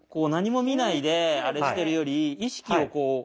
何も見ないであれしてるより意識をこう。